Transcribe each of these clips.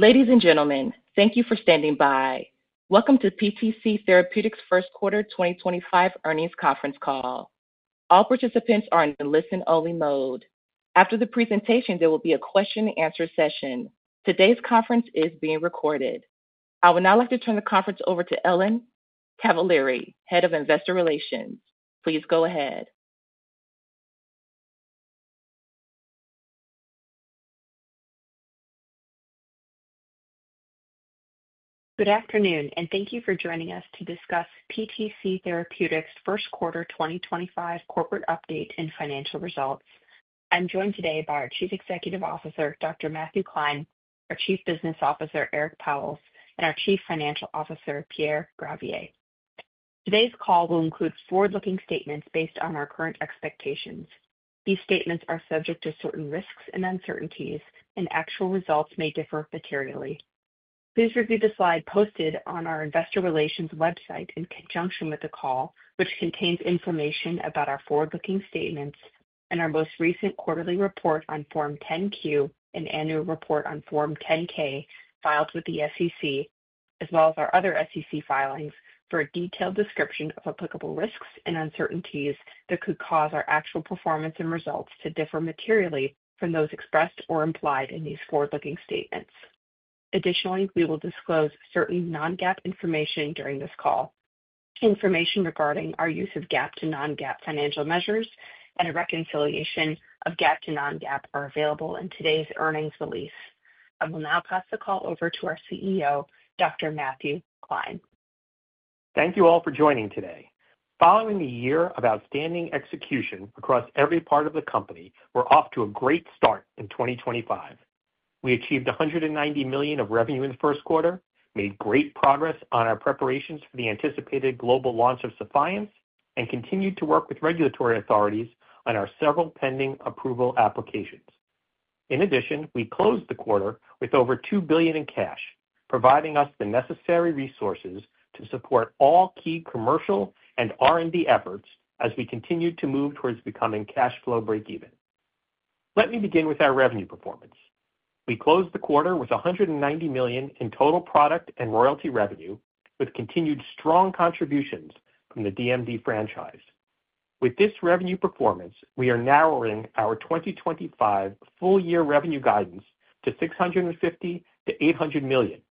Ladies and gentlemen, thank you for standing by. Welcome to PTC Therapeutics' First Quarter 2025 earnings conference call. All participants are in the listen-only mode. After the presentation, there will be a question-and-answer session. Today's conference is being recorded. I would now like to turn the conference over to Ellen Cavaleri, Head of Investor Relations. Please go ahead. Good afternoon, and thank you for joining us to discuss PTC Therapeutics' first quarter 2025 corporate update and financial results. I'm joined today by our Chief Executive Officer, Dr. Matthew Klein, our Chief Business Officer, Eric Pauwels, and our Chief Financial Officer, Pierre Gravier. Today's call will include forward-looking statements based on our current expectations. These statements are subject to certain risks and uncertainties, and actual results may differ materially. Please review the slide posted on our Investor Relations website in conjunction with the call, which contains information about our forward-looking statements and our most recent quarterly report on Form 10-Q and annual report on Form 10-K filed with the SEC, as well as our other SEC filings, for a detailed description of applicable risks and uncertainties that could cause our actual performance and results to differ materially from those expressed or implied in these forward-looking statements. Additionally, we will disclose certain non-GAAP information during this call. Information regarding our use of GAAP to non-GAAP financial measures and a reconciliation of GAAP to non-GAAP are available in today's earnings release. I will now pass the call over to our CEO, Dr. Matthew Klein. Thank you all for joining today. Following a year of outstanding execution across every part of the company, we're off to a great start in 2025. We achieved $190 million of revenue in the first quarter, made great progress on our preparations for the anticipated global launch of Sephience, and continued to work with regulatory authorities on our several pending approval applications. In addition, we closed the quarter with over $2 billion in cash, providing us the necessary resources to support all key commercial and R&D efforts as we continued to move towards becoming cash flow break-even. Let me begin with our revenue performance. We closed the quarter with $190 million in total product and royalty revenue, with continued strong contributions from the DMD franchise. With this revenue performance, we are narrowing our 2025 full-year revenue guidance to $650 million-$800 million.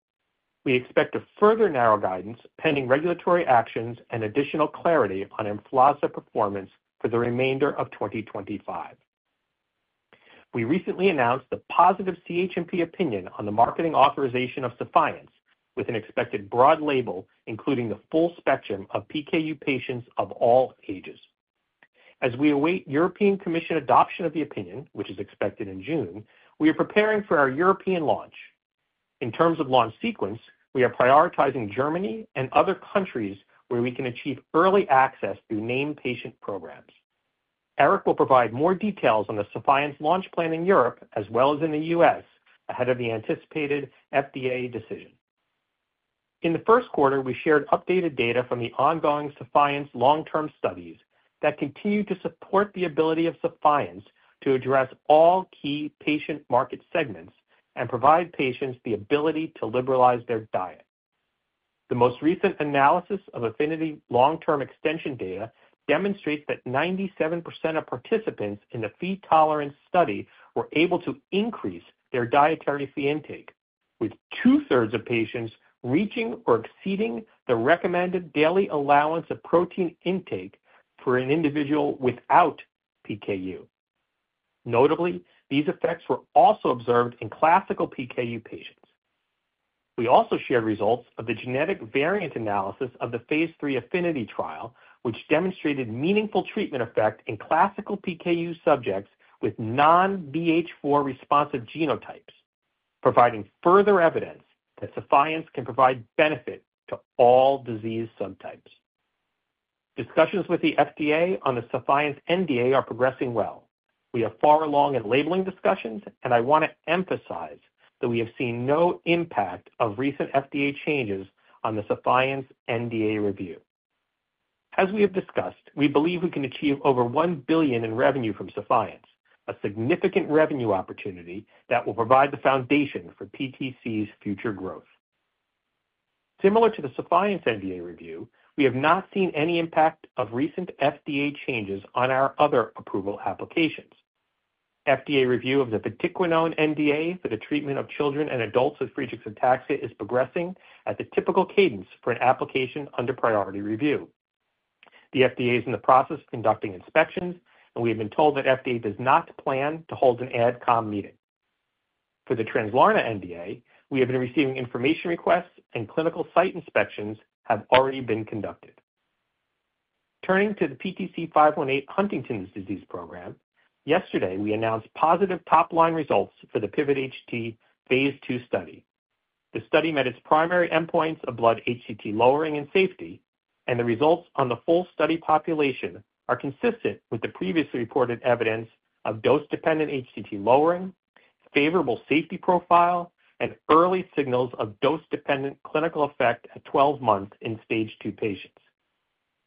We expect a further narrow guidance pending regulatory actions and additional clarity on influenza performance for the remainder of 2025. We recently announced the positive CHMP opinion on the marketing authorization of Sephience, with an expected broad label including the full spectrum of PKU patients of all ages. As we await European Commission adoption of the opinion, which is expected in June, we are preparing for our European launch. In terms of launch sequence, we are prioritizing Germany and other countries where we can achieve early access through named patient programs. Eric will provide more details on the Sephience launch plan in Europe as well as in the U.S. ahead of the anticipated FDA decision. In the first quarter, we shared updated data from the ongoing Sephience long-term studies that continue to support the ability of Sephience to address all key patient market segments and provide patients the ability to liberalize their diet. The most recent analysis of Affinity long-term extension data demonstrates that 97% of participants in the feed tolerance study were able to increase their dietary phe intake, with two-thirds of patients reaching or exceeding the recommended daily allowance of protein intake for an individual without PKU. Notably, these effects were also observed in classical PKU patients. We also shared results of the genetic variant analysis of the phase III Affinity trial, which demonstrated meaningful treatment effect in classical PKU subjects with non-BH4 responsive genotypes, providing further evidence that Sephience can provide benefit to all disease subtypes. Discussions with the FDA on the Sephience NDA are progressing well. We are far along in labeling discussions, and I want to emphasize that we have seen no impact of recent FDA changes on the Sephience NDA review. As we have discussed, we believe we can achieve over $1 billion in revenue from Sephience, a significant revenue opportunity that will provide the foundation for PTC's future growth. Similar to the Sephience NDA review, we have not seen any impact of recent FDA changes on our other approval applications. FDA review of the Vatiquinone NDA for the treatment of children and adults with Friedreich's ataxia is progressing at the typical cadence for an application under priority review. The FDA is in the process of conducting inspections, and we have been told that FDA does not plan to hold an AdCom meeting. For the Translarna NDA, we have been receiving information requests, and clinical site inspections have already been conducted. Turning to the PTC 518 Huntington's disease program, yesterday we announced positive top-line results for the PIVIT-HT phase II study. The study met its primary endpoints of blood HTT lowering and safety, and the results on the full study population are consistent with the previously reported evidence of dose-dependent HTT lowering, favorable safety profile, and early signals of dose-dependent clinical effect at 12 months in stage II patients.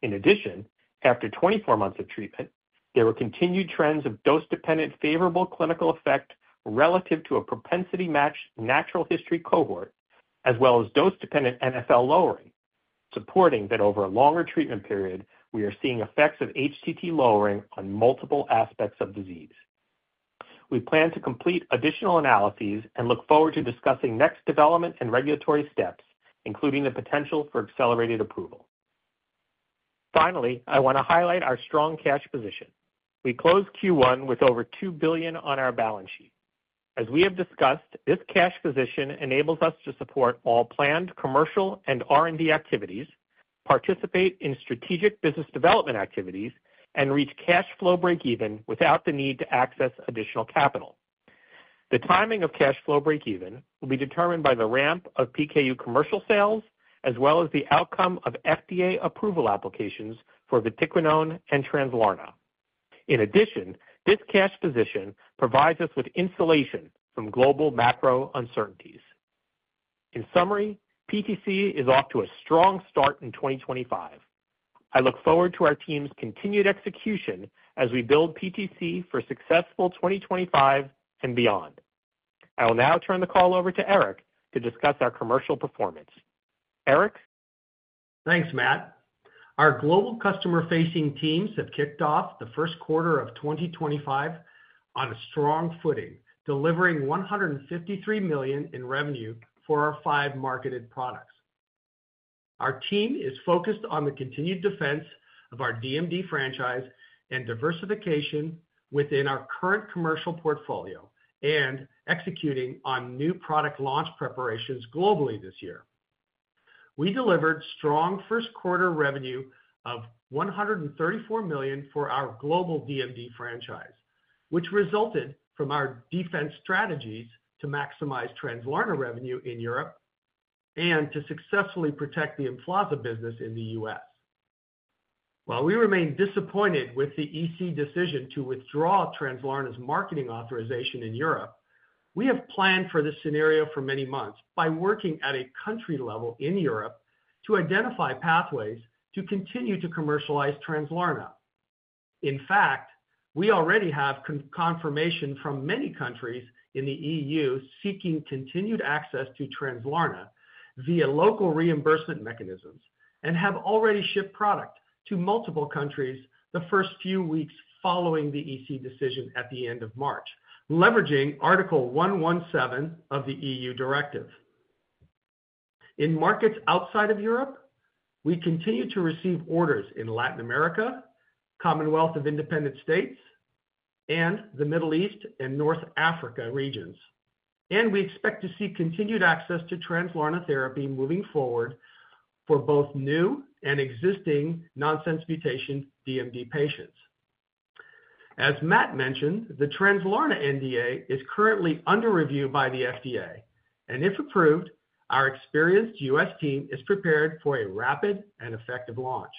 In addition, after 24 months of treatment, there were continued trends of dose-dependent favorable clinical effect relative to a propensity-matched natural history cohort, as well as dose-dependent NFL lowering, supporting that over a longer treatment period, we are seeing effects of HTT lowering on multiple aspects of disease. We plan to complete additional analyses and look forward to discussing next development and regulatory steps, including the potential for accelerated approval. Finally, I want to highlight our strong cash position. We closed Q1 with over $2 billion on our balance sheet. As we have discussed, this cash position enables us to support all planned commercial and R&D activities, participate in strategic business development activities, and reach cash flow break-even without the need to access additional capital. The timing of cash flow break-even will be determined by the ramp of PKU commercial sales, as well as the outcome of FDA approval applications for vatiquinone and Translarna. In addition, this cash position provides us with insulation from global macro uncertainties. In summary, PTC is off to a strong start in 2025. I look forward to our team's continued execution as we build PTC for successful 2025 and beyond. I will now turn the call over to Eric to discuss our commercial performance. Eric? Thanks, Matt. Our global customer-facing teams have kicked off the first quarter of 2025 on a strong footing, delivering $153 million in revenue for our five marketed products. Our team is focused on the continued defense of our DMD franchise and diversification within our current commercial portfolio and executing on new product launch preparations globally this year. We delivered strong first-quarter revenue of $134 million for our global DMD franchise, which resulted from our defense strategies to maximize Translarna revenue in Europe and to successfully protect the influenza business in the U.S. While we remain disappointed with the European Commission decision to withdraw Translarna's marketing authorization in Europe, we have planned for this scenario for many months by working at a country level in Europe to identify pathways to continue to commercialize Translarna. In fact, we already have confirmation from many countries in the EU seeking continued access to Translarna via local reimbursement mechanisms and have already shipped product to multiple countries the first few weeks following the EC decision at the end of March, leveraging Article 117 of the EU Directive. In markets outside of Europe, we continue to receive orders in Latin America, Commonwealth of Independent States, and the Middle East and North Africa regions, and we expect to see continued access to Translarna therapy moving forward for both new and existing nonsense mutation DMD patients. As Matt mentioned, the Translarna NDA is currently under review by the FDA, and if approved, our experienced U.S. team is prepared for a rapid and effective launch.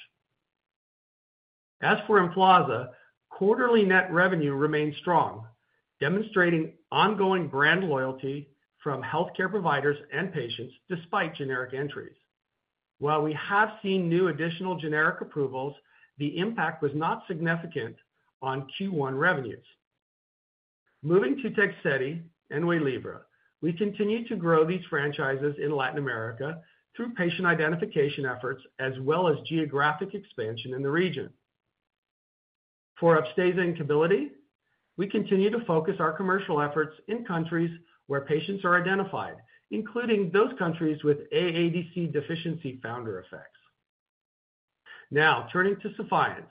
As for Emflaza, quarterly net revenue remains strong, demonstrating ongoing brand loyalty from healthcare providers and patients despite generic entries. While we have seen new additional generic approvals, the impact was not significant on Q1 revenues. Moving to Translarna and Waylivra, we continue to grow these franchises in Latin America through patient identification efforts as well as geographic expansion in the region. For Upstaza, we continue to focus our commercial efforts in countries where patients are identified, including those countries with AADC deficiency founder effects. Now, turning to Sephience,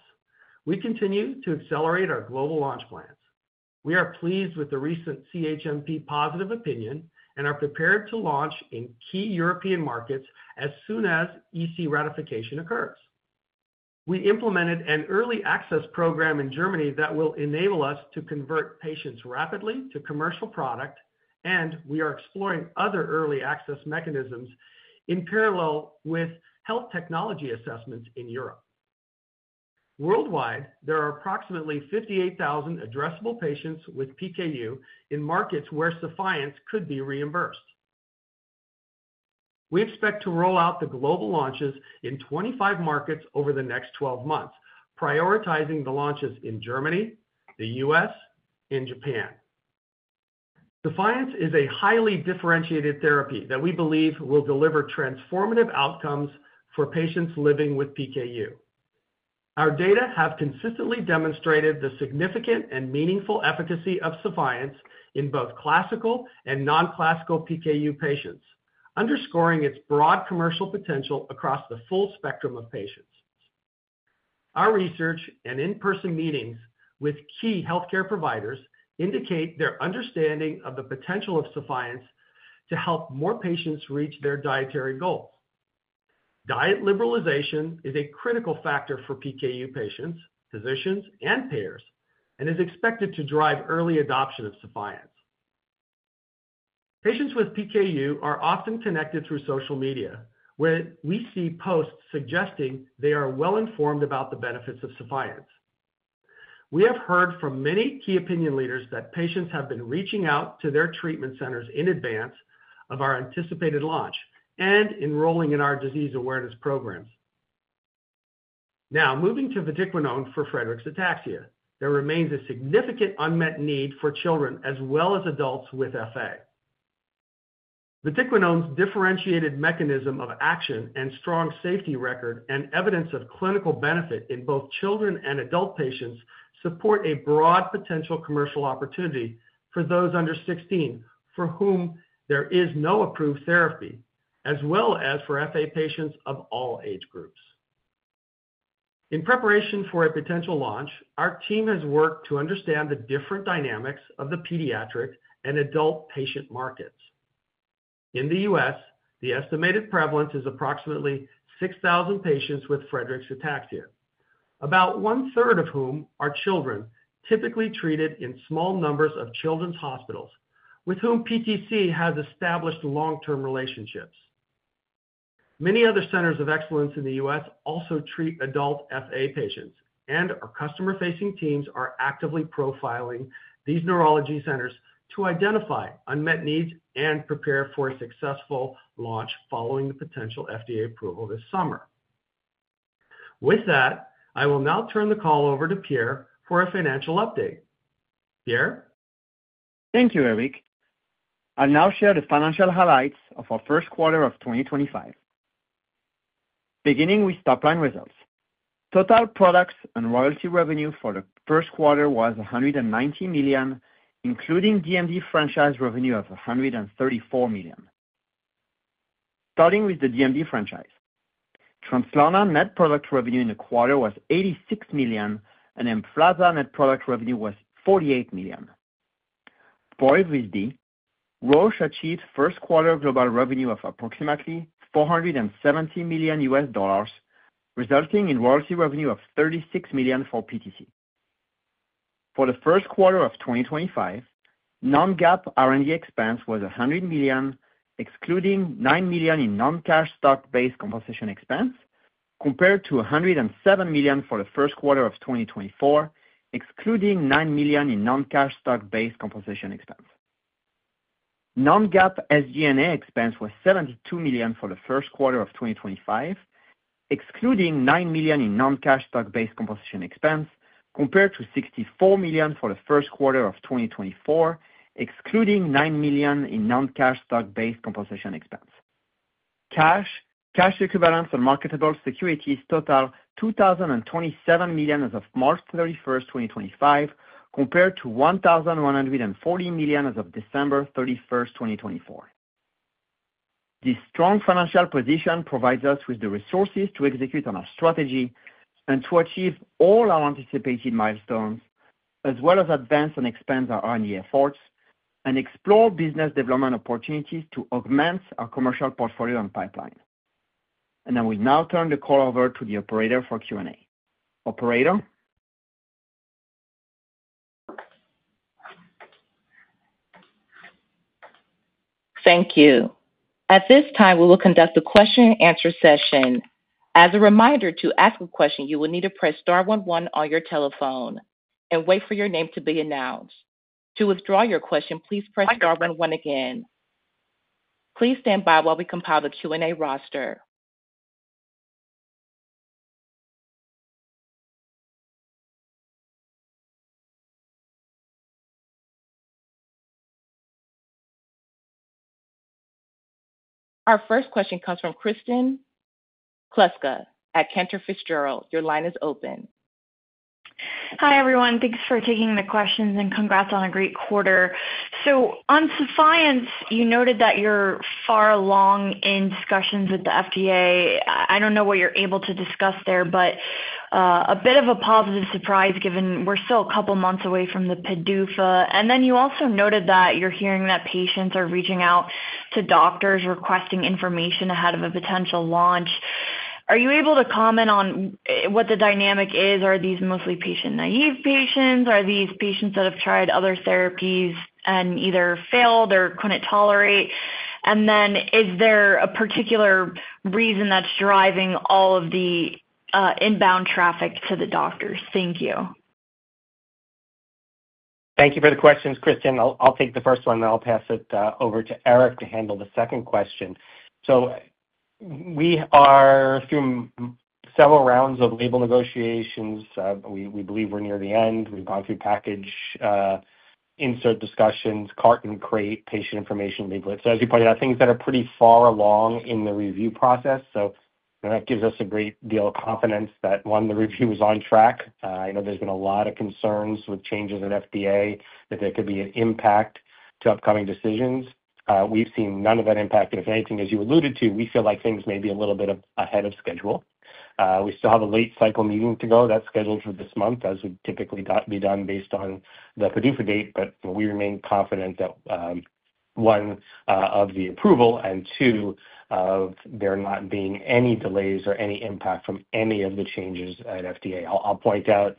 we continue to accelerate our global launch plans. We are pleased with the recent CHMP positive opinion and are prepared to launch in key European markets as soon as European Commission ratification occurs. We implemented an early access program in Germany that will enable us to convert patients rapidly to commercial product, and we are exploring other early access mechanisms in parallel with health technology assessments in Europe. Worldwide, there are approximately 58,000 addressable patients with PKU in markets where Sephience could be reimbursed. We expect to roll out the global launches in 25 markets over the next 12 months, prioritizing the launches in Germany, the U.S., and Japan. Sephience is a highly differentiated therapy that we believe will deliver transformative outcomes for patients living with PKU. Our data have consistently demonstrated the significant and meaningful efficacy of Sephience in both classical and non-classical PKU patients, underscoring its broad commercial potential across the full spectrum of patients. Our research and in-person meetings with key healthcare providers indicate their understanding of the potential of Sephience to help more patients reach their dietary goals. Diet liberalization is a critical factor for PKU patients, physicians, and payers, and is expected to drive early adoption of Sephience. Patients with PKU are often connected through social media, where we see posts suggesting they are well-informed about the benefits of Sephience. We have heard from many key opinion leaders that patients have been reaching out to their treatment centers in advance of our anticipated launch and enrolling in our disease awareness programs. Now, moving to vatiquinone for Friedreich's ataxia, there remains a significant unmet need for children as well as adults with FA. Vatiquinone's differentiated mechanism of action and strong safety record and evidence of clinical benefit in both children and adult patients support a broad potential commercial opportunity for those under 16 for whom there is no approved therapy, as well as for FA patients of all age groups. In preparation for a potential launch, our team has worked to understand the different dynamics of the pediatric and adult patient markets. In the U.S., the estimated prevalence is approximately 6,000 patients with FA, about one-third of whom are children typically treated in small numbers of children's hospitals, with whom PTC has established long-term relationships. Many other centers of excellence in the U.S. also treat adult FA patients, and our customer-facing teams are actively profiling these neurology centers to identify unmet needs and prepare for a successful launch following the potential FDA approval this summer. With that, I will now turn the call over to Pierre for a financial update. Pierre? Thank you, Eric. I'll now share the financial highlights of our first quarter of 2025. Beginning with top-line results, total products and royalty revenue for the first quarter was $190 million, including DMD franchise revenue of $134 million. Starting with the DMD franchise, Translarna net product revenue in the quarter was $86 million, and Emflaza net product revenue was $48 million. For SMA, Roche achieved first quarter global revenue of approximately $470 million U.S. dollars, resulting in royalty revenue of $36 million for PTC. For the first quarter of 2025, non-GAAP R&D expense was $100 million, excluding $9 million in non-cash stock-based compensation expense, compared to $107 million for the first quarter of 2024, excluding $9 million in non-cash stock-based compensation expense. Non-GAAP SG&A expense was $72 million for the first quarter of 2025, excluding $9 million in non-cash stock-based compensation expense, compared to $64 million for the first quarter of 2024, excluding $9 million in non-cash stock-based compensation expense. Cash, cash equivalents, and marketable securities total $2,027 million as of March 31, 2025, compared to $1,140 million as of December 31, 2024. This strong financial position provides us with the resources to execute on our strategy and to achieve all our anticipated milestones, as well as advance and expand our R&D efforts and explore business development opportunities to augment our commercial portfolio and pipeline. I will now turn the call over to the operator for Q&A. Operator? Thank you. At this time, we will conduct a question-and-answer session. As a reminder, to ask a question, you will need to press star one one on your telephone and wait for your name to be announced. To withdraw your question, please press star one one again. Please stand by while we compile the Q&A roster. Our first question comes from Kristen Kluska at Cantor Fitzgerald. Your line is open. Hi, everyone. Thanks for taking the questions and congrats on a great quarter. On Sephience, you noted that you're far along in discussions with the FDA. I don't know what you're able to discuss there, but a bit of a positive surprise given we're still a couple of months away from the PDUFA. You also noted that you're hearing that patients are reaching out to doctors requesting information ahead of a potential launch. Are you able to comment on what the dynamic is? Are these mostly patient-naive patients? Are these patients that have tried other therapies and either failed or couldn't tolerate? Is there a particular reason that's driving all of the inbound traffic to the doctors? Thank you. Thank you for the questions, Kristen. I'll take the first one, and I'll pass it over to Eric to handle the second question. We are through several rounds of label negotiations. We believe we're near the end. We've gone through package insert discussions, carton and crate, patient information labeling. As you pointed out, things are pretty far along in the review process. That gives us a great deal of confidence that, one, the review is on track. I know there's been a lot of concerns with changes in FDA that there could be an impact to upcoming decisions. We've seen none of that impact. If anything, as you alluded to, we feel like things may be a little bit ahead of schedule. We still have a late cycle meeting to go. That's scheduled for this month, as would typically be done based on the PDUFA date. We remain confident that, one, of the approval and, two, of there not being any delays or any impact from any of the changes at FDA. I'll point out,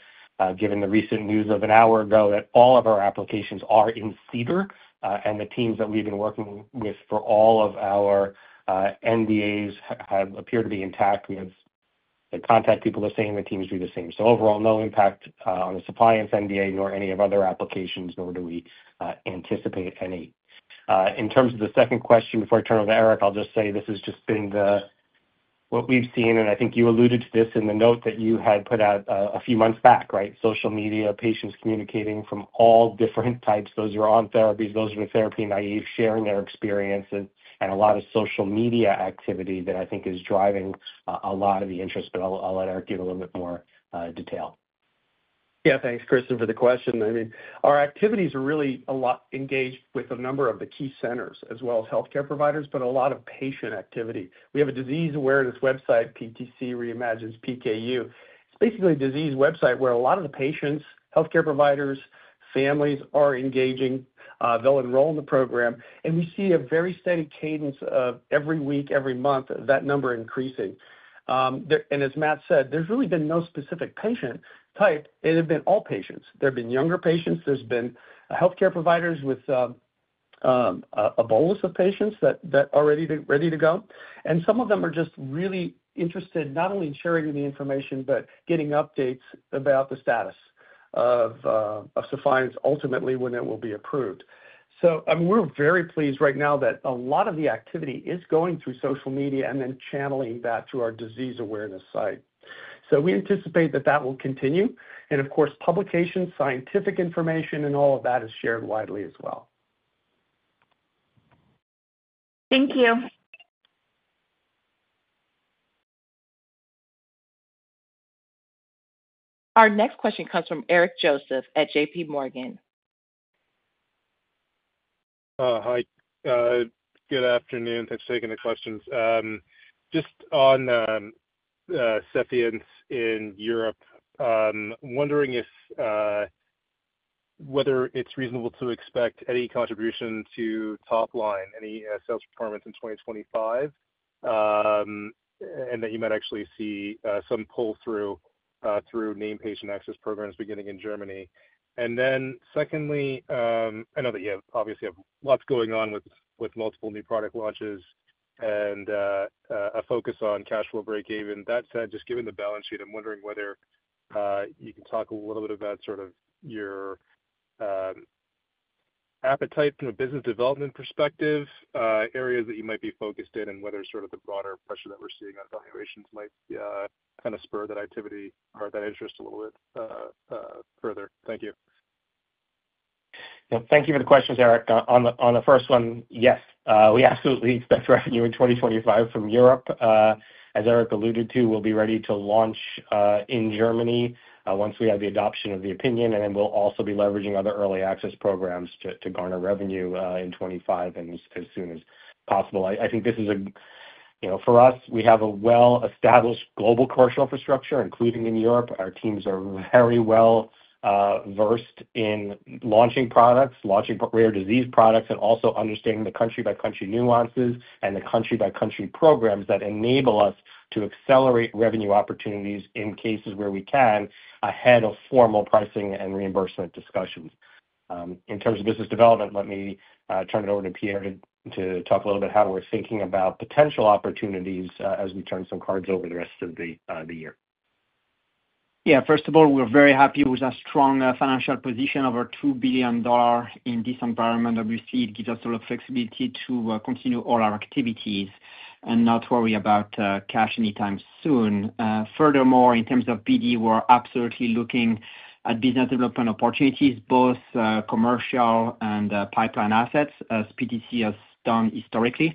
given the recent news of an hour ago, that all of our applications are in CDER, and the teams that we've been working with for all of our NDAs have appeared to be intact. The contact people are saying the teams will be the same. Overall, no impact on the Sephience NDA nor any of our other applications, nor do we anticipate any. In terms of the second question, before I turn it over to Eric, I'll just say this has just been what we've seen, and I think you alluded to this in the note that you had put out a few months back, right? Social media, patients communicating from all different types. Those who are on therapies, those who are therapy naive, sharing their experiences, and a lot of social media activity that I think is driving a lot of the interest. I will let Eric give a little bit more detail. Yeah, thanks, Kristen, for the question. I mean, our activities are really a lot engaged with a number of the key centers as well as healthcare providers, but a lot of patient activity. We have a disease awareness website, PTC Reimagines PKU. It's basically a disease website where a lot of the patients, healthcare providers, families are engaging. They'll enroll in the program, and we see a very steady cadence of every week, every month, that number increasing. As Matt said, there's really been no specific patient type. It has been all patients. There have been younger patients. There's been healthcare providers with a bolus of patients that are ready to go. Some of them are just really interested not only in sharing the information, but getting updates about the status of Sephience ultimately when it will be approved. I mean, we're very pleased right now that a lot of the activity is going through social media and then channeling that to our disease awareness site. We anticipate that that will continue. Of course, publications, scientific information, and all of that is shared widely as well. Thank you. Our next question comes from Eric Joseph at JPMorgan. Hi. Good afternoon. Thanks for taking the questions. Just on Sephience in Europe, wondering whether it's reasonable to expect any contribution to top line, any sales performance in 2025, and that you might actually see some pull-through through named patient access programs beginning in Germany. Secondly, I know that you obviously have lots going on with multiple new product launches and a focus on cash flow breakeven. That said, just given the balance sheet, I'm wondering whether you can talk a little bit about sort of your appetite from a business development perspective, areas that you might be focused in, and whether sort of the broader pressure that we're seeing on valuations might kind of spur that activity or that interest a little bit further. Thank you. Thank you for the questions, Eric. On the first one, yes, we absolutely expect revenue in 2025 from Europe. As Eric alluded to, we'll be ready to launch in Germany once we have the adoption of the opinion, and then we'll also be leveraging other early access programs to garner revenue in 2025 and as soon as possible. I think this is a, for us, we have a well-established global commercial infrastructure, including in Europe. Our teams are very well versed in launching products, launching rare disease products, and also understanding the country-by-country nuances and the country-by-country programs that enable us to accelerate revenue opportunities in cases where we can ahead of formal pricing and reimbursement discussions. In terms of business development, let me turn it over to Pierre to talk a little bit about how we're thinking about potential opportunities as we turn some cards over the rest of the year. Yeah, first of all, we're very happy with our strong financial position of our $2 billion in this environment. Obviously, it gives us a lot of flexibility to continue all our activities and not worry about cash anytime soon. Furthermore, in terms of PD, we're absolutely looking at business development opportunities, both commercial and pipeline assets, as PTC has done historically.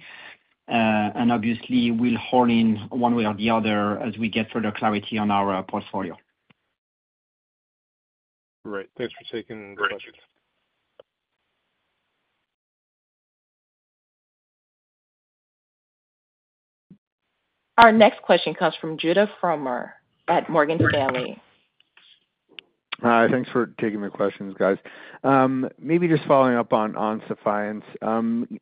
Obviously, we'll hone in one way or the other as we get further clarity on our portfolio. Great. Thanks for taking the questions. Our next question comes from Judah Frommer at Morgan Stanley. Hi. Thanks for taking the questions, guys. Maybe just following up on Sephience,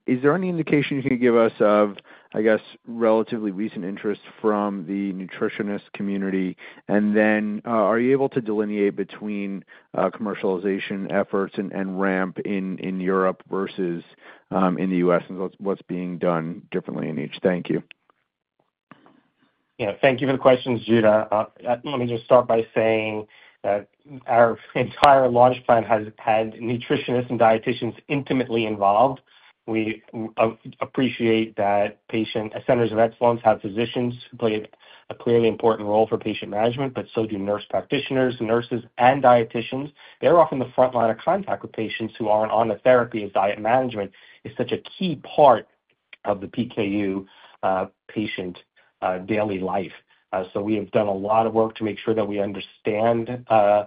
is there any indication you can give us of, I guess, relatively recent interest from the nutritionist community? Are you able to delineate between commercialization efforts and ramp in Europe versus in the U.S.? What is being done differently in each? Thank you. Yeah. Thank you for the questions, Judah. Let me just start by saying that our entire launch plan has had nutritionists and dietitians intimately involved. We appreciate that patient centers of excellence have physicians who play a clearly important role for patient management, but so do nurse practitioners, nurses, and dietitians. They're often the front line of contact with patients who aren't on the therapy as diet management is such a key part of the PKU patient daily life. We have done a lot of work to make sure that we understand the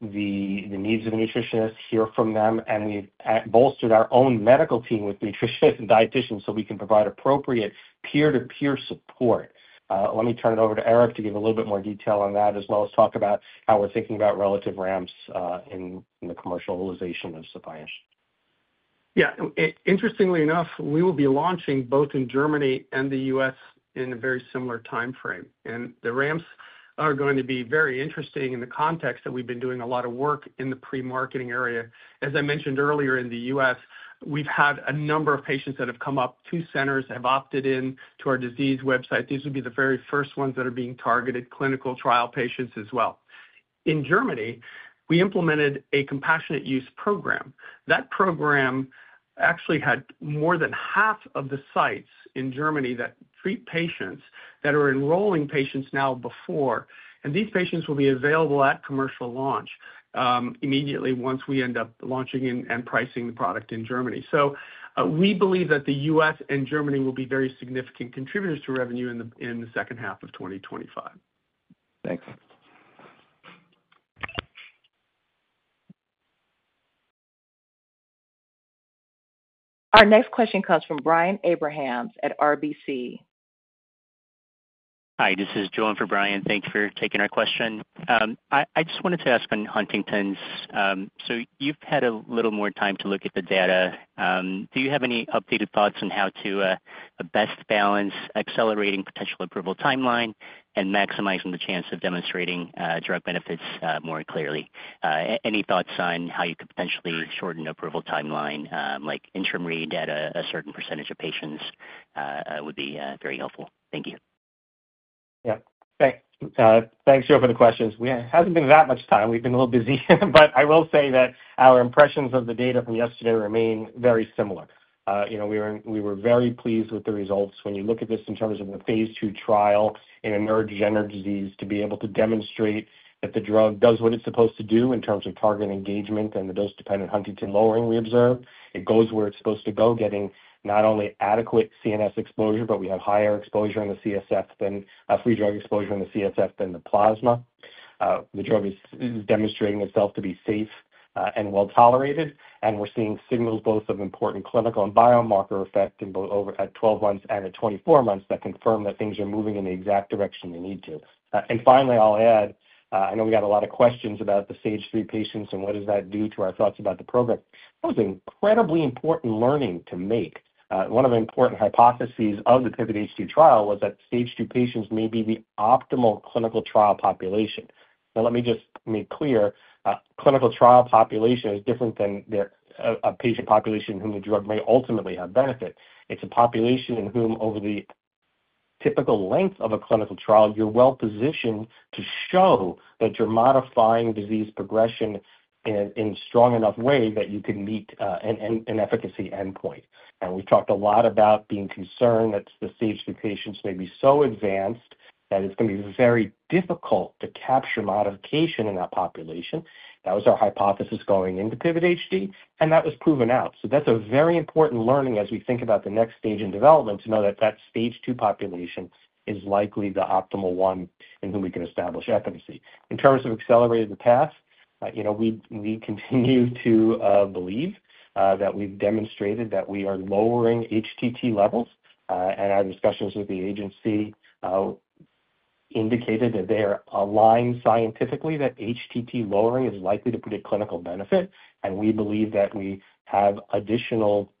needs of the nutritionists, hear from them, and we've bolstered our own medical team with nutritionists and dietitians so we can provide appropriate peer-to-peer support. Let me turn it over to Eric to give a little bit more detail on that, as well as talk about how we're thinking about relative ramps in the commercialization of Sephience. Yeah. Interestingly enough, we will be launching both in Germany and the U.S. in a very similar timeframe. The ramps are going to be very interesting in the context that we've been doing a lot of work in the pre-marketing area. As I mentioned earlier, in the U.S., we've had a number of patients that have come up to centers, have opted in to our disease website. These would be the very first ones that are being targeted, clinical trial patients as well. In Germany, we implemented a compassionate use program. That program actually had more than half of the sites in Germany that treat patients that are enrolling patients now before. These patients will be available at commercial launch immediately once we end up launching and pricing the product in Germany. We believe that the U.S. Germany will be very significant contributors to revenue in the second half of 2025. Thanks. Our next question comes from Brian Abrahams at RBC. Hi. This is John for Brian. Thanks for taking our question. I just wanted to ask on Huntington's. So you've had a little more time to look at the data. Do you have any updated thoughts on how to best balance accelerating potential approval timeline and maximizing the chance of demonstrating drug benefits more clearly? Any thoughts on how you could potentially shorten the approval timeline, like interim read at a certain percentage of patients would be very helpful? Thank you. Yeah. Thanks. Thanks, John, for the questions. We haven't been that much time. We've been a little busy. I will say that our impressions of the data from yesterday remain very similar. We were very pleased with the results. When you look at this in terms of the phase two trial in a neurodegenerative disease, to be able to demonstrate that the drug does what it's supposed to do in terms of target engagement and the dose-dependent Huntington lowering we observed, it goes where it's supposed to go, getting not only adequate CNS exposure, but we have higher exposure in the CSF than free drug exposure in the CSF than the plasma. The drug is demonstrating itself to be safe and well tolerated. We're seeing signals both of important clinical and biomarker effect at 12 months and at 24 months that confirm that things are moving in the exact direction they need to. Finally, I'll add, I know we got a lot of questions about the stage three patients and what does that do to our thoughts about the program. That was an incredibly important learning to make. One of the important hypotheses of the PIVIT-HD trial was that stage two patients may be the optimal clinical trial population. Now, let me just make clear, clinical trial population is different than a patient population in whom the drug may ultimately have benefit. It's a population in whom, over the typical length of a clinical trial, you're well positioned to show that you're modifying disease progression in a strong enough way that you can meet an efficacy endpoint. We have talked a lot about being concerned that the stage two patients may be so advanced that it is going to be very difficult to capture modification in that population. That was our hypothesis going into PIVIT-HD, and that was proven out. That is a very important learning as we think about the next stage in development to know that the stage two population is likely the optimal one in whom we can establish efficacy. In terms of accelerating the path, we continue to believe that we have demonstrated that we are lowering HTT levels. Our discussions with the agency indicated that they are aligned scientifically that HTT lowering is likely to predict clinical benefit. We believe that we have additional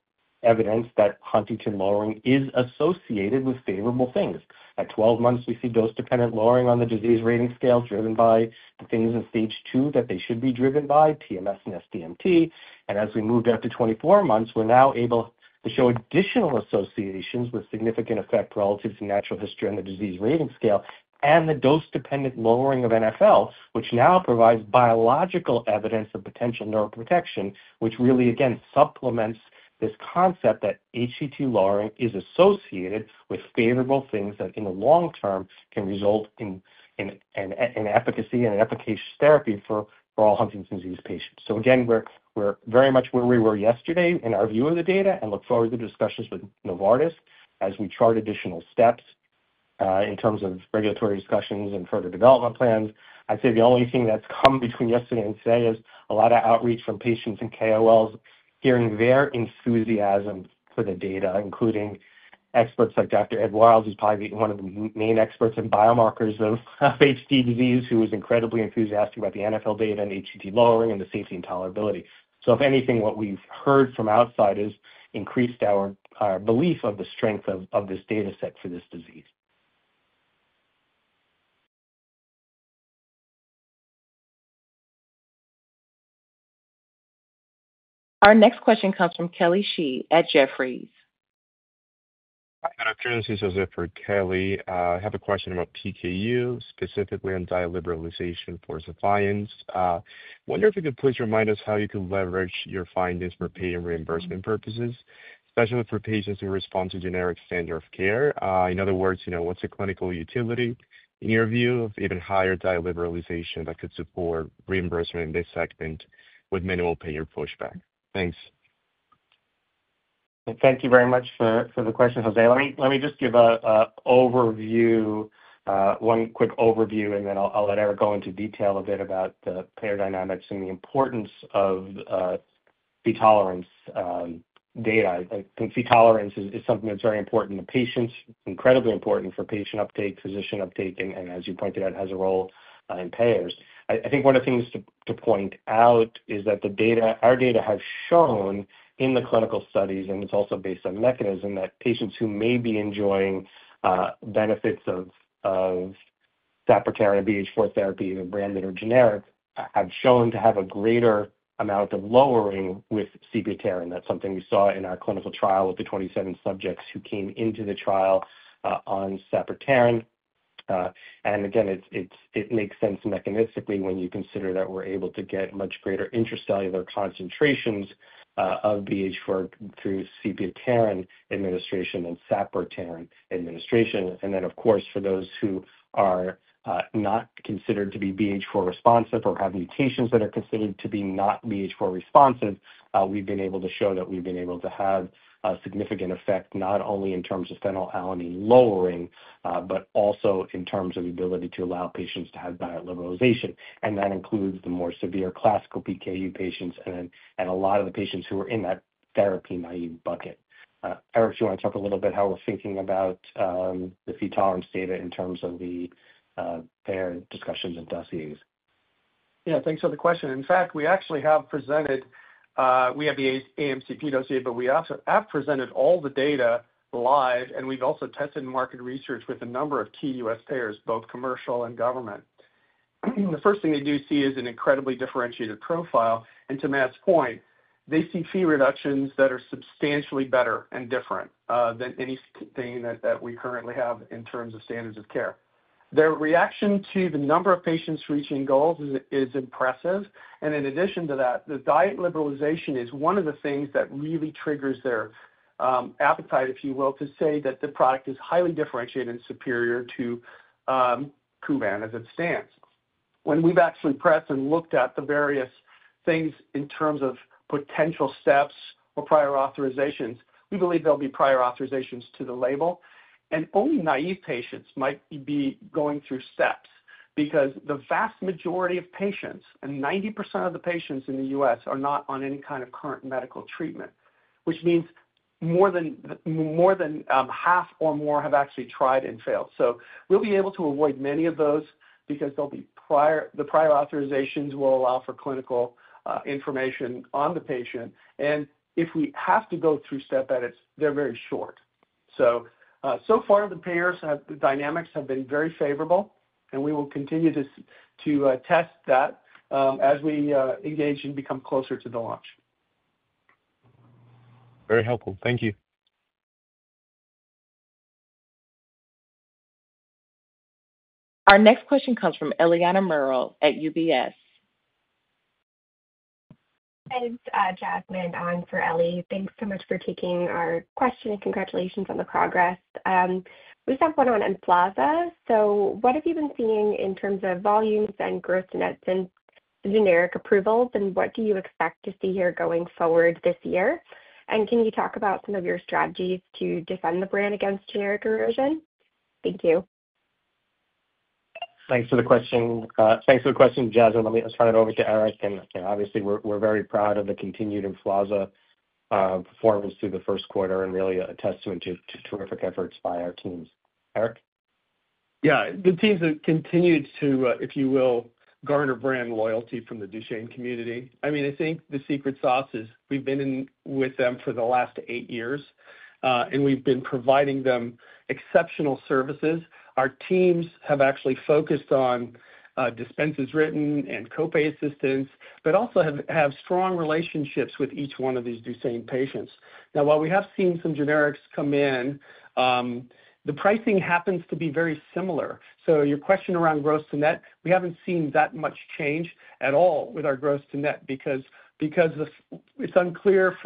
evidence that Huntington lowering is associated with favorable things. At 12 months, we see dose-dependent lowering on the disease rating scale driven by the things in stage two that they should be driven by, TMS and SDMT. As we moved up to 24 months, we're now able to show additional associations with significant effect relative to natural history on the disease rating scale and the dose-dependent lowering of NFL, which now provides biological evidence of potential neuroprotection, which really, again, supplements this concept that HTT lowering is associated with favorable things that in the long term can result in efficacy and efficacious therapy for all Huntington's disease patients. Again, we're very much where we were yesterday in our view of the data and look forward to the discussions with Novartis as we chart additional steps in terms of regulatory discussions and further development plans. I'd say the only thing that's come between yesterday and today is a lot of outreach from patients and KOLs hearing their enthusiasm for the data, including experts like Dr. Ed Wiles, who's probably one of the main experts in biomarkers of HD disease, who was incredibly enthusiastic about the NFL data and HTT lowering and the safety and tolerability. If anything, what we've heard from outside has increased our belief of the strength of this dataset for this disease. Our next question comes from Kelly Sheehy at Jefferies. Hi, Dr. Joseph or Kelly. I have a question about PKU, specifically on diet liberalization for Sephience. I wonder if you could please remind us how you can leverage your findings for pay and reimbursement purposes, especially for patients who respond to generic standard of care. In other words, what's the clinical utility in your view of even higher diet liberalization that could support reimbursement in this segment with minimal payer pushback? Thanks. Thank you very much for the question, Jose. Let me just give a quick overview, and then I'll let Eric go into detail a bit about the payer dynamics and the importance of the tolerance data. I think the tolerance is something that's very important to patients, incredibly important for patient uptake, physician uptake, and as you pointed out, has a role in payers. I think one of the things to point out is that our data have shown in the clinical studies, and it's also based on mechanism, that patients who may be enjoying benefits of sapropterin and BH4 therapy, branded or generic, have shown to have a greater amount of lowering with sepiapterin. That's something we saw in our clinical trial with the 27 subjects who came into the trial on sapropterin. Again, it makes sense mechanistically when you consider that we're able to get much greater intracellular concentrations of BH4 through sepiapterin administration and sapropterin administration. Of course, for those who are not considered to be BH4 responsive or have mutations that are considered to be not BH4 responsive, we've been able to show that we've been able to have a significant effect not only in terms of phenylalanine lowering, but also in terms of the ability to allow patients to have diet liberalization. That includes the more severe classical PKU patients and a lot of the patients who are in that therapy naive bucket. Eric, do you want to talk a little bit about how we're thinking about the PTOLERANCE data in terms of the payer discussions and dossiers? Yeah. Thanks for the question. In fact, we actually have presented—we have the AMCP dossier, but we have presented all the data live. We have also tested market research with a number of key U.S. payers, both commercial and government. The first thing they do see is an incredibly differentiated profile. To Matt's point, they see fee reductions that are substantially better and different than anything that we currently have in terms of standards of care. Their reaction to the number of patients reaching goals is impressive. In addition to that, the diet liberalization is one of the things that really triggers their appetite, if you will, to say that the product is highly differentiated and superior to Kuvan as it stands. When we have actually pressed and looked at the various things in terms of potential steps or prior authorizations, we believe there will be prior authorizations to the label. Only naive patients might be going through steps because the vast majority of patients—90% of the patients in the U.S.—are not on any kind of current medical treatment, which means more than half or more have actually tried and failed. We will be able to avoid many of those because the prior authorizations will allow for clinical information on the patient. If we have to go through step edits, they are very short. So far, the payer dynamics have been very favorable, and we will continue to test that as we engage and become closer to the launch. Very helpful. Thank you. Our next question comes from Eliana Merle at UBS. Hi, this is Jasmine. I'm for Ellie. Thanks so much for taking our question and congratulations on the progress. We just have one on Emflaza. What have you been seeing in terms of volumes and gross nets and generic approvals, and what do you expect to see here going forward this year? Can you talk about some of your strategies to defend the brand against generic erosion? Thank you. Thanks for the question. Thanks for the question, Jasmine. Let me turn it over to Eric. Obviously, we're very proud of the continued Emflaza performance through the first quarter and really a testament to terrific efforts by our teams. Eric? Yeah. The teams have continued to, if you will, garner brand loyalty from the Duchenne community. I mean, I think the secret sauce is we've been with them for the last eight years, and we've been providing them exceptional services. Our teams have actually focused on dispenses written and copay assistance, but also have strong relationships with each one of these Duchenne patients. Now, while we have seen some generics come in, the pricing happens to be very similar. Your question around gross to net, we haven't seen that much change at all with our gross to net because it's unclear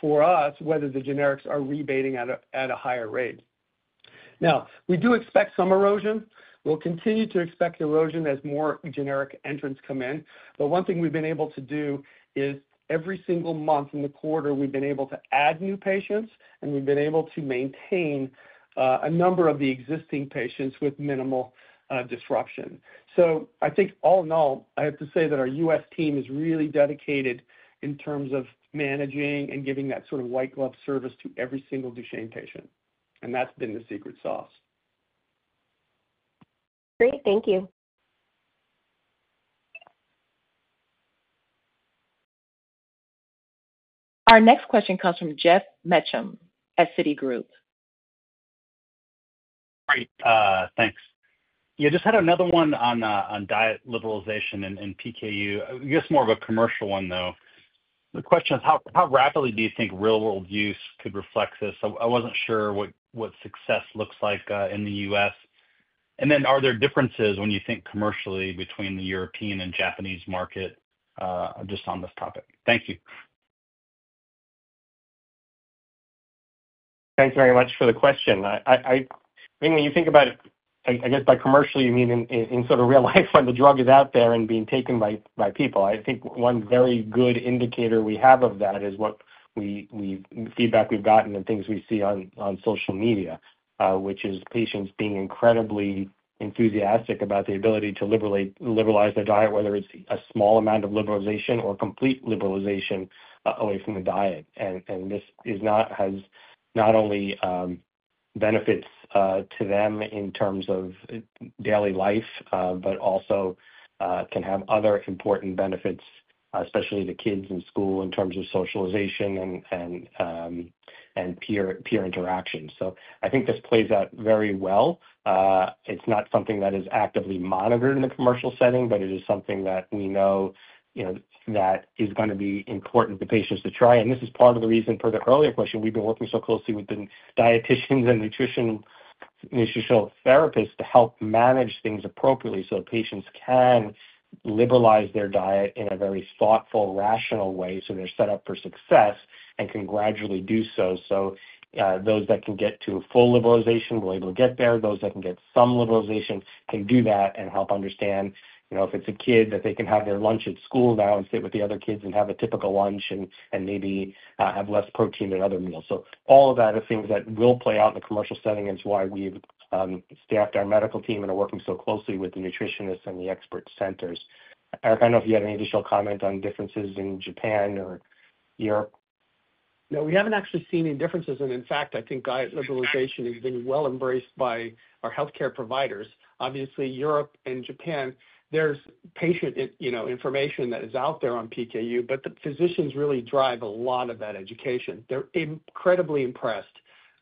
for us whether the generics are rebating at a higher rate. Now, we do expect some erosion. We'll continue to expect erosion as more generic entrants come in. One thing we've been able to do is every single month in the quarter, we've been able to add new patients, and we've been able to maintain a number of the existing patients with minimal disruption. I think all in all, I have to say that our U.S. team is really dedicated in terms of managing and giving that sort of white-glove service to every single Duchenne patient. That's been the secret sauce. Great. Thank you. Our next question comes from Geoff Meacham at Citigroup. Great. Thanks. Yeah. Just had another one on diet liberalization and PKU. I guess more of a commercial one, though. The question is, how rapidly do you think real-world use could reflect this? I wasn't sure what success looks like in the U.S. And then are there differences when you think commercially between the European and Japanese market just on this topic? Thank you. Thanks very much for the question. I mean, when you think about it, I guess by commercial, you mean in sort of real life when the drug is out there and being taken by people. I think one very good indicator we have of that is what feedback we've gotten and things we see on social media, which is patients being incredibly enthusiastic about the ability to liberalize their diet, whether it's a small amount of liberalization or complete liberalization away from the diet. This has not only benefits to them in terms of daily life, but also can have other important benefits, especially to kids in school in terms of socialization and peer interaction. I think this plays out very well. It's not something that is actively monitored in the commercial setting, but it is something that we know that is going to be important for patients to try. This is part of the reason for the earlier question. We've been working so closely with the dietitians and nutritional therapists to help manage things appropriately so patients can liberalize their diet in a very thoughtful, rational way so they're set up for success and can gradually do so. Those that can get to full liberalization will be able to get there. Those that can get some liberalization can do that and help understand if it's a kid that they can have their lunch at school now and sit with the other kids and have a typical lunch and maybe have less protein in other meals. All of that are things that will play out in the commercial setting. It's why we've staffed our medical team and are working so closely with the nutritionists and the expert centers. Eric, I don't know if you had any additional comment on differences in Japan or Europe. No, we haven't actually seen any differences. In fact, I think diet liberalization has been well embraced by our healthcare providers. Obviously, Europe and Japan, there's patient information that is out there on PKU, but the physicians really drive a lot of that education. They're incredibly impressed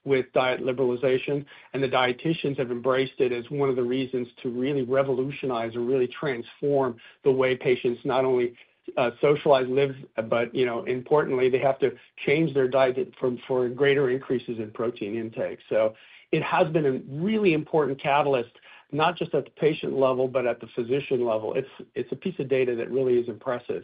with diet liberalization. The dietitians have embraced it as one of the reasons to really revolutionize or really transform the way patients not only socialize, live, but importantly, they have to change their diet for greater increases in protein intake. It has been a really important catalyst, not just at the patient level, but at the physician level. It's a piece of data that really is impressive.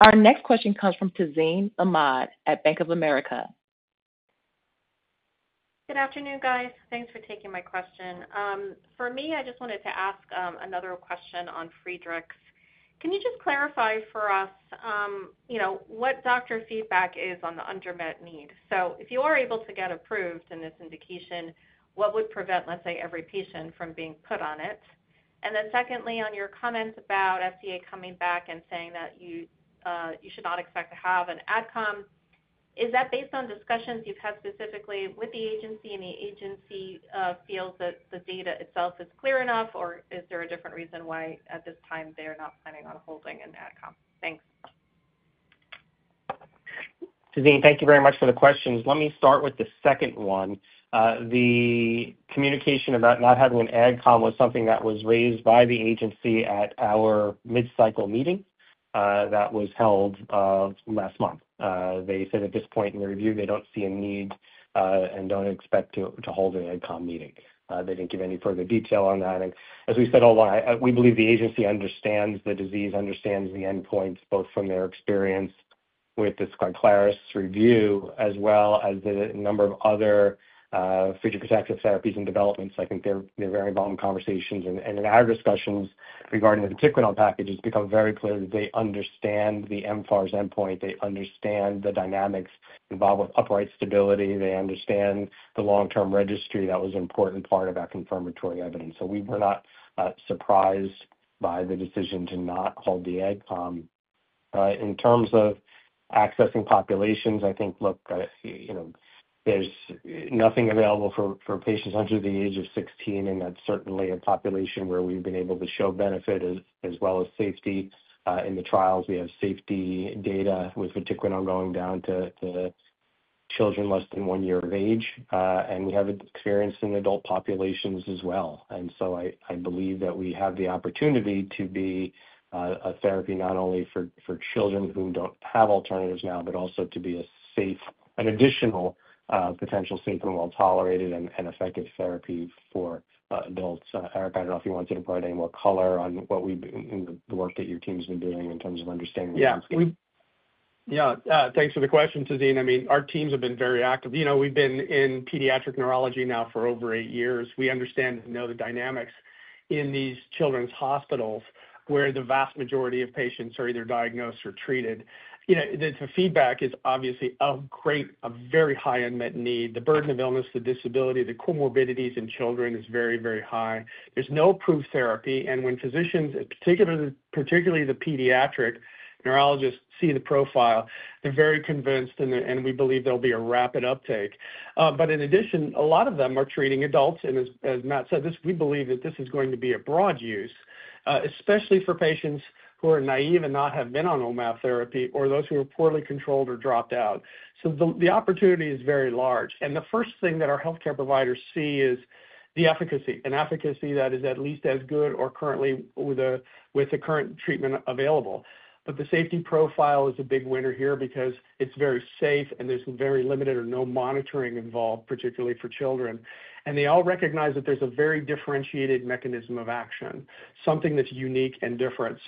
Our next question comes from Tazeen Ahmad at Bank of America. Good afternoon, guys. Thanks for taking my question. For me, I just wanted to ask another question on Friedreich's. Can you just clarify for us what doctor feedback is on the undermet need? If you are able to get approved in this indication, what would prevent, let's say, every patient from being put on it? Secondly, on your comments about FDA coming back and saying that you should not expect to have an AdCom, is that based on discussions you've had specifically with the agency and the agency feels that the data itself is clear enough, or is there a different reason why at this time they're not planning on holding an AdCom? Thanks. Tazeen, thank you very much for the questions. Let me start with the second one. The communication about not having an AdCom was something that was raised by the agency at our mid-cycle meeting that was held last month. They said at this point in the review, they do not see a need and do not expect to hold an AdCom meeting. They did not give any further detail on that. As we said all along, we believe the agency understands the disease, understands the endpoints both from their experience with this Glyceris review as well as the number of other phage protective therapies and developments. I think they are very involved in conversations. In our discussions regarding the Tikvenol package, it has become very clear that they understand the MPHARS endpoint. They understand the dynamics involved with upright stability. They understand the long-term registry that was an important part of our confirmatory evidence. We were not surprised by the decision to not hold the AdCom. In terms of accessing populations, I think, look, there's nothing available for patients under the age of 16, and that's certainly a population where we've been able to show benefit as well as safety in the trials. We have safety data with vatiquinone going down to children less than one year of age, and we have experience in adult populations as well. I believe that we have the opportunity to be a therapy not only for children who don't have alternatives now, but also to be an additional potential safe and well-tolerated and effective therapy for adults. Eric, I don't know if you wanted to provide any more color on the work that your team has been doing in terms of understanding the. Yeah. Thanks for the question, Tazeen. I mean, our teams have been very active. We've been in pediatric neurology now for over eight years. We understand and know the dynamics in these children's hospitals where the vast majority of patients are either diagnosed or treated. The feedback is obviously a very high unmet need. The burden of illness, the disability, the comorbidities in children is very, very high. There's no approved therapy. When physicians, particularly the pediatric neurologists, see the profile, they're very convinced, and we believe there'll be a rapid uptake. In addition, a lot of them are treating adults. As Matt said, we believe that this is going to be a broad use, especially for patients who are naive and not have been on OMAP therapy or those who are poorly controlled or dropped out. The opportunity is very large. The first thing that our healthcare providers see is the efficacy, an efficacy that is at least as good or currently with the current treatment available. The safety profile is a big winner here because it is very safe, and there is very limited or no monitoring involved, particularly for children. They all recognize that there is a very differentiated mechanism of action, something that is unique and different.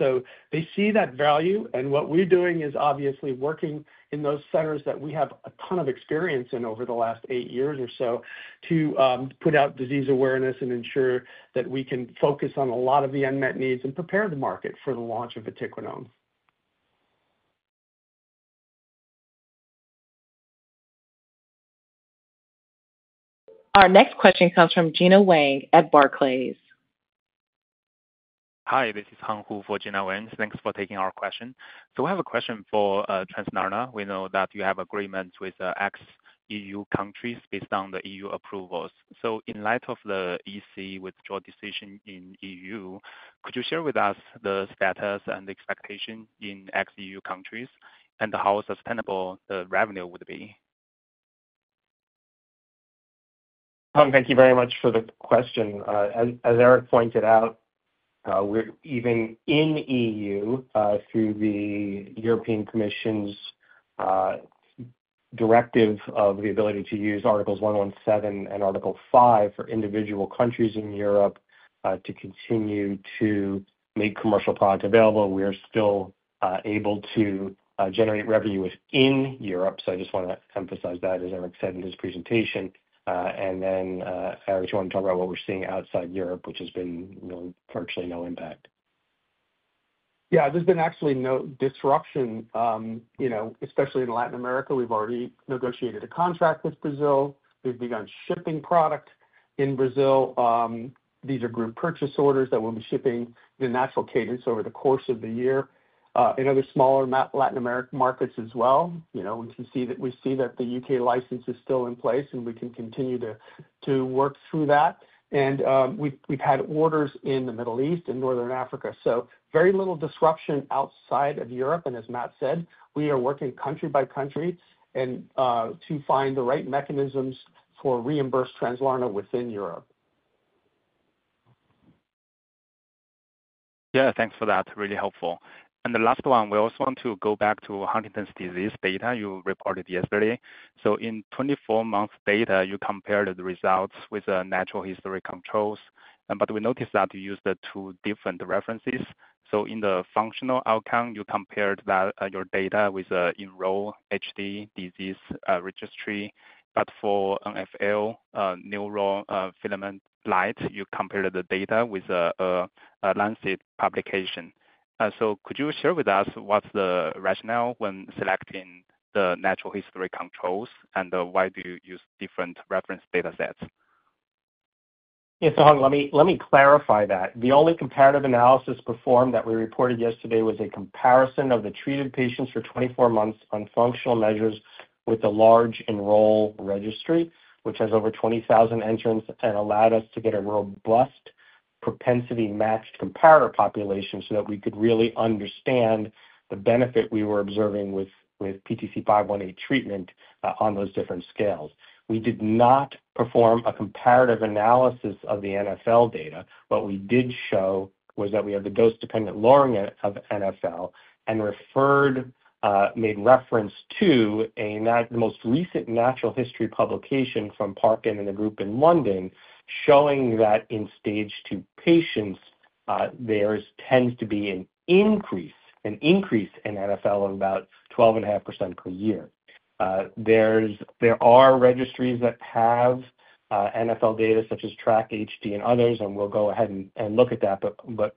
They see that value. What we are doing is obviously working in those centers that we have a ton of experience in over the last eight years or so to put out disease awareness and ensure that we can focus on a lot of the unmet needs and prepare the market for the launch of Sephience. Our next question comes from Gina Wang at Barclays. Hi, this is Hang Hu for Gina Wang. Thanks for taking our question. We have a question for Translarna. We know that you have agreements with ex-EU countries based on the EU approvals. In light of the EC withdrawal decision in EU, could you share with us the status and expectation in ex-EU countries and how sustainable the revenue would be? Han, thank you very much for the question. As Eric pointed out, we're even in the EU through the European Commission's directive of the ability to use Articles 117 and Article 5 for individual countries in Europe to continue to make commercial product available. We are still able to generate revenue within Europe. I just want to emphasize that, as Eric said in his presentation. Eric, do you want to talk about what we're seeing outside Europe, which has been virtually no impact? Yeah. There's been actually no disruption, especially in Latin America. We've already negotiated a contract with Brazil. We've begun shipping product in Brazil. These are group purchase orders that we'll be shipping in the natural cadence over the course of the year in other smaller Latin American markets as well. We see that the U.K. license is still in place, and we can continue to work through that. We've had orders in the Middle East and North Africa. Very little disruption outside of Europe. As Matt said, we are working country by country to find the right mechanisms for reimbursed Translarna within Europe. Yeah. Thanks for that. Really helpful. The last one, we also want to go back to Huntington's disease data you reported yesterday. In 24-month data, you compared the results with natural history controls. We noticed that you used two different references. In the functional outcome, you compared your data with Enroll-HD disease registry. For NFL, Neurofilament Light, you compared the data with a Lancet publication. Could you share with us what's the rationale when selecting the natural history controls and why do you use different reference datasets? Yeah. Hang, let me clarify that. The only comparative analysis performed that we reported yesterday was a comparison of the treated patients for 24 months on functional measures with a large Enroll registry, which has over 20,000 entrants, and allowed us to get a robust propensity-matched comparator population so that we could really understand the benefit we were observing with PTC 518 treatment on those different scales. We did not perform a comparative analysis of the NFL data. What we did show was that we have the dose-dependent lowering of NFL and made reference to the most recent natural history publication from Park and the group in London showing that in stage two patients, there tends to be an increase in NFL of about 12.5% per year. There are registries that have NFL data such as TRACK-HD and others, and we'll go ahead and look at that.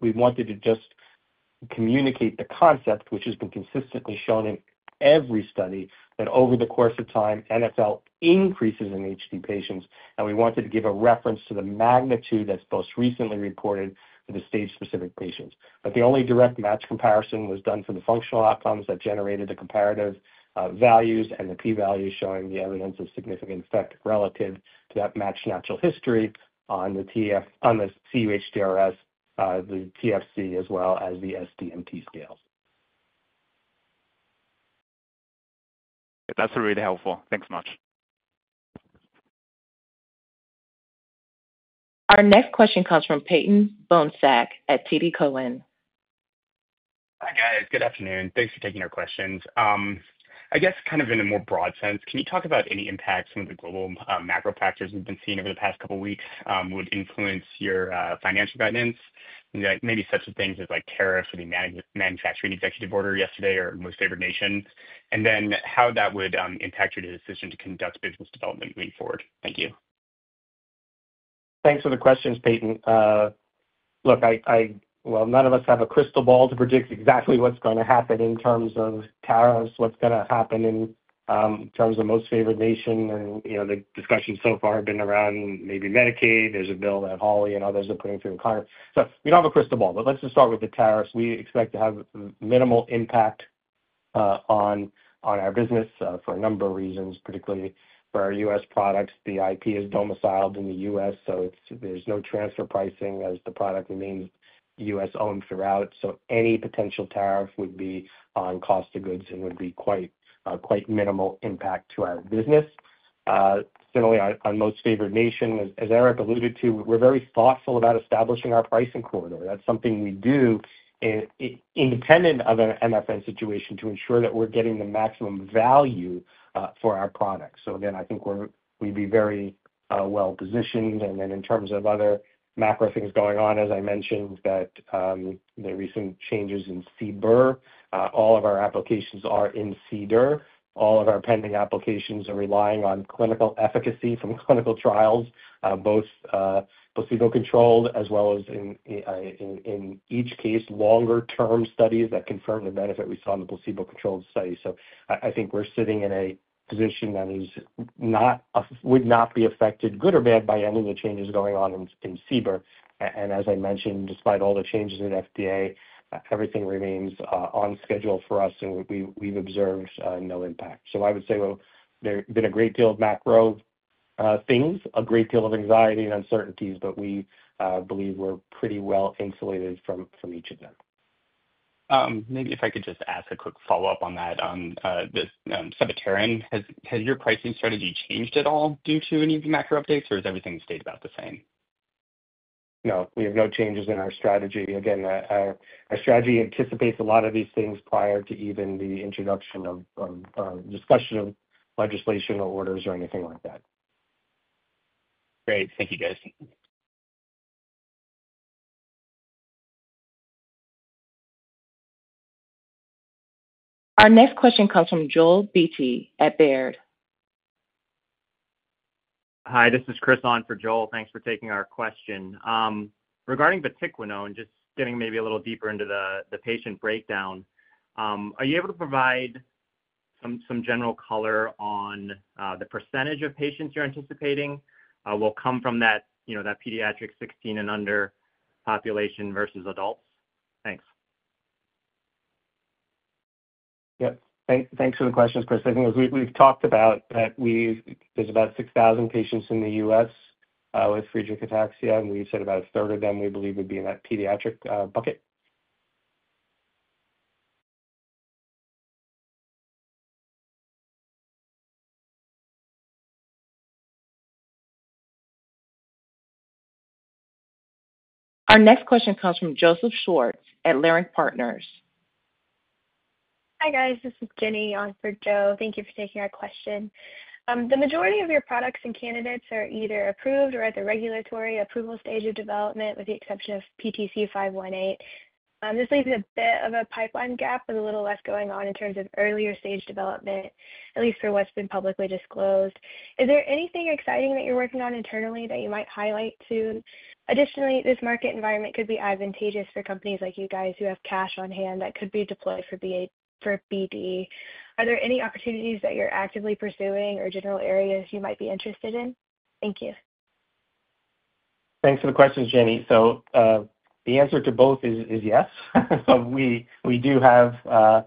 We wanted to just communicate the concept, which has been consistently shown in every study, that over the course of time, NFL increases in HD patients. We wanted to give a reference to the magnitude that's most recently reported for the stage-specific patients. The only direct match comparison was done for the functional outcomes that generated the comparative values and the P-values showing the evidence of significant effect relative to that matched natural history on the CUHDRS, the TFC, as well as the SDMT scales. That's really helpful. Thanks so much. Our next question comes from Peyton Bohnsack at TD Cowen. Hi, guys. Good afternoon. Thanks for taking our questions. I guess kind of in a more broad sense, can you talk about any impacts some of the global macro factors we've been seeing over the past couple of weeks would influence your financial guidance? Maybe such things as tariffs or the manufacturing executive order yesterday or most favored nations. How that would impact your decision to conduct business development moving forward. Thank you. Thanks for the questions, Peyton. Look, none of us have a crystal ball to predict exactly what's going to happen in terms of tariffs, what's going to happen in terms of most favorite nation. The discussions so far have been around maybe Medicaid. There's a bill that Hawley and others are putting through. We don't have a crystal ball, but let's just start with the tariffs. We expect to have minimal impact on our business for a number of reasons, particularly for our U.S. products. The IP is domiciled in the U.S., so there's no transfer pricing as the product remains U.S.-owned throughout. Any potential tariff would be on cost of goods and would be quite minimal impact to our business. Similarly, on most favorite nation, as Eric alluded to, we're very thoughtful about establishing our pricing corridor. That's something we do independent of an MFN situation to ensure that we're getting the maximum value for our products. I think we'd be very well positioned. In terms of other macro things going on, as I mentioned, the recent changes in CBIR, all of our applications are in CDER. All of our pending applications are relying on clinical efficacy from clinical trials, both placebo-controlled as well as, in each case, longer-term studies that confirm the benefit we saw in the placebo-controlled study. I think we're sitting in a position that would not be affected good or bad by any of the changes going on in CBIR. As I mentioned, despite all the changes in FDA, everything remains on schedule for us, and we've observed no impact. I would say there have been a great deal of macro things, a great deal of anxiety and uncertainties, but we believe we're pretty well insulated from each of them. Maybe if I could just ask a quick follow-up on that, on the Sephience, has your pricing strategy changed at all due to any of the macro updates, or has everything stayed about the same? No. We have no changes in our strategy. Again, our strategy anticipates a lot of these things prior to even the introduction of discussion of legislation or orders or anything like that. Great. Thank you, guys. Our next question comes from Joel Beatty at Baird. Hi. This is Chris on for Joel. Thanks for taking our question. Regarding the vatiquinone, just getting maybe a little deeper into the patient breakdown, are you able to provide some general color on the percentage of patients you're anticipating will come from that pediatric 16 and under population versus adults? Thanks. Yep. Thanks for the questions, Chris. I think we've talked about that there's about 6,000 patients in the U.S. with phenylketonuria, and we said about a third of them we believe would be in that pediatric bucket. Our next question comes from Joseph Schwartz at Leerink Partners. Hi, guys. This is Ginny on for Joe. Thank you for taking our question. The majority of your products and candidates are either approved or at the regulatory approval stage of development with the exception of PTC 518. This leaves a bit of a pipeline gap with a little less going on in terms of earlier stage development, at least for what's been publicly disclosed. Is there anything exciting that you're working on internally that you might highlight soon? Additionally, this market environment could be advantageous for companies like you guys who have cash on hand that could be deployed for BD. Are there any opportunities that you're actively pursuing or general areas you might be interested in? Thank you. Thanks for the questions, Ginny. The answer to both is yes. We do have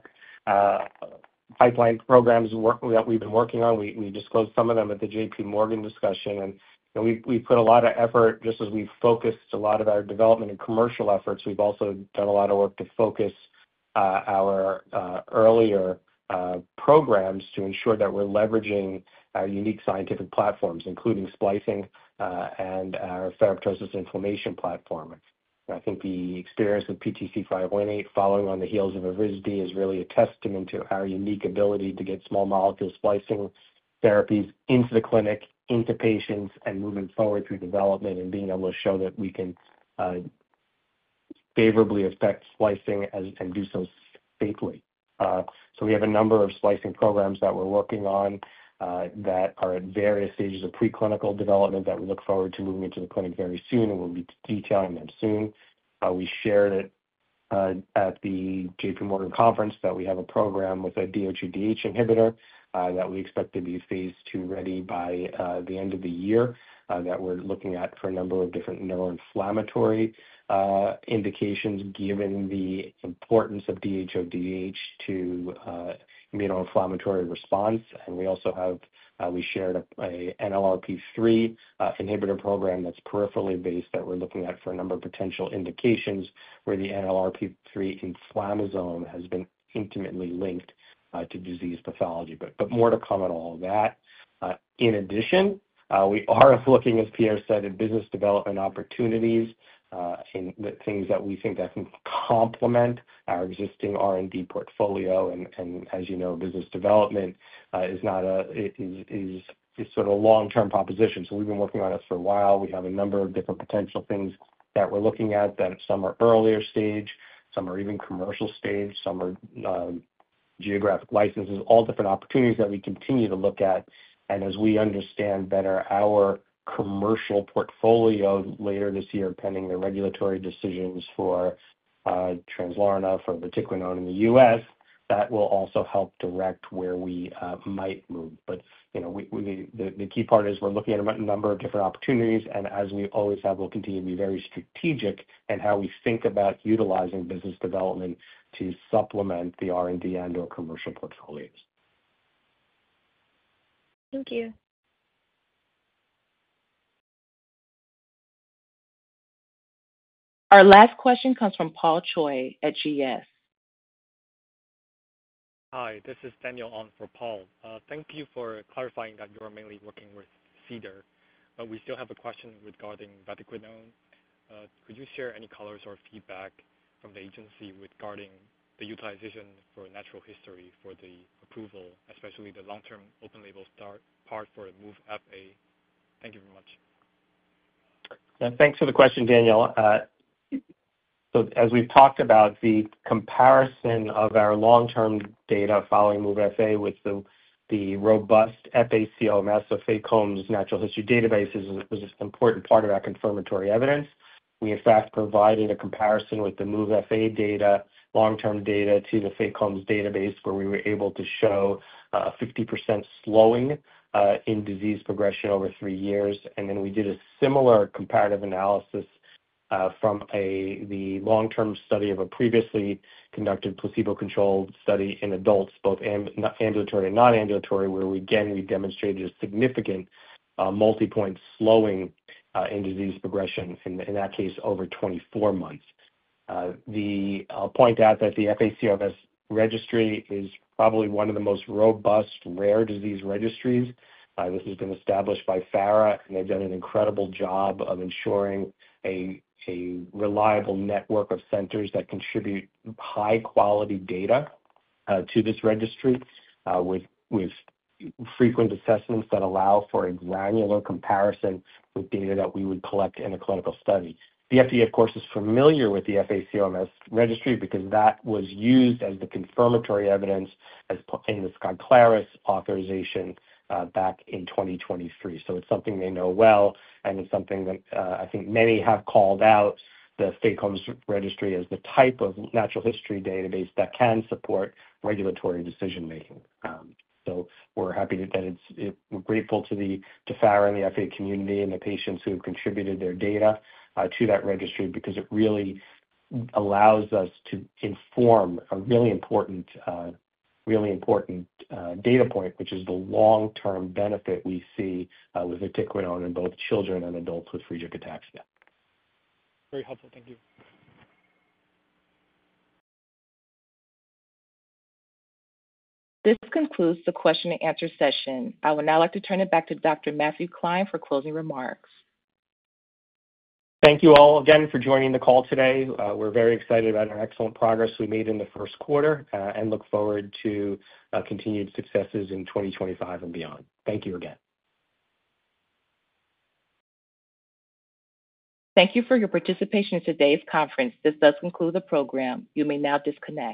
pipeline programs that we've been working on. We disclosed some of them at the JPMorgan discussion. We've put a lot of effort just as we've focused a lot of our development and commercial efforts. We've also done a lot of work to focus our earlier programs to ensure that we're leveraging unique scientific platforms, including splicing and our fibromatosis inflammation platform. I think the experience of PTC 518 following on the heels of Evrysdi is really a testament to our unique ability to get small molecule splicing therapies into the clinic, into patients, and moving forward through development and being able to show that we can favorably affect splicing and do so safely. We have a number of splicing programs that we're working on that are at various stages of preclinical development that we look forward to moving into the clinic very soon, and we'll be detailing them soon. We shared at the JPMorgan conference that we have a program with a DHODH inhibitor that we expect to be phase II ready by the end of the year that we're looking at for a number of different neuroinflammatory indications given the importance of DHODH to immunoinflammatory response. We also shared an NLRP3 inhibitor program that's peripherally based that we're looking at for a number of potential indications where the NLRP3 inflammasome has been intimately linked to disease pathology. More to come on all of that. In addition, we are looking, as Pierre said, at business development opportunities in the things that we think that can complement our existing R&D portfolio. As you know, business development is sort of a long-term proposition. We have been working on it for a while. We have a number of different potential things that we are looking at that some are earlier stage, some are even commercial stage, some are geographic licenses, all different opportunities that we continue to look at. As we understand better our commercial portfolio later this year, pending the regulatory decisions for Translarna for the Tikvenon in the U.S., that will also help direct where we might move. The key part is we are looking at a number of different opportunities. As we always have, we'll continue to be very strategic in how we think about utilizing business development to supplement the R&D and/or commercial portfolios. Thank you. Our last question comes from Paul Choi at GS. Hi. This is Daniel on for Paul. Thank you for clarifying that you are mainly working with CDER. I still have a question regarding vatiquinone. Could you share any color or feedback from the agency regarding the utilization for natural history for the approval, especially the long-term open-label start part for Move FA? Thank you very much. Thanks for the question, Daniel. As we've talked about, the comparison of our long-term data following Move FA with the robust FACOMS, so FACOMS natural history databases, was an important part of our confirmatory evidence. We, in fact, provided a comparison with the Move FA data, long-term data to the FACOMS database where we were able to show 50% slowing in disease progression over three years. We did a similar comparative analysis from the long-term study of a previously conducted placebo-controlled study in adults, both ambulatory and non-ambulatory, where again, we demonstrated a significant multi-point slowing in disease progression, in that case, over 24 months. I would point out that the FACOMS registry is probably one of the most robust rare disease registries. This has been established by FARA, and they've done an incredible job of ensuring a reliable network of centers that contribute high-quality data to this registry with frequent assessments that allow for a granular comparison with data that we would collect in a clinical study. The FDA, of course, is familiar with the FACOMS registry because that was used as the confirmatory evidence in the Skyclarys authorization back in 2023. It is something they know well, and it is something that I think many have called out, the FACOMS registry as the type of natural history database that can support regulatory decision-making. We're happy that it's, we're grateful to FARA and the FA community and the patients who have contributed their data to that registry because it really allows us to inform a really important data point, which is the long-term benefit we see with vatiquinone in both children and adults with Friedreich's ataxia. Very helpful. Thank you. This concludes the question-and-answer session. I would now like to turn it back to Dr. Matthew Klein for closing remarks. Thank you all again for joining the call today. We're very excited about our excellent progress we made in the first quarter and look forward to continued successes in 2025 and beyond. Thank you again. Thank you for your participation in today's conference. This does conclude the program. You may now disconnect.